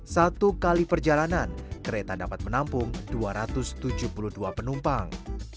satu kali perjalanan kereta dapat menampung dua ratus tujuh puluh dua penumpang